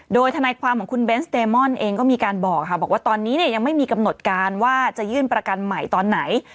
โดยทนายความของคุณเบนส์เตมอนเองก็มีการบอกค่ะบอกว่าตอนนี้เนี่ยยังไม่มีกำหนดการว่าจะยื่นประกันใหม่ตอนไหน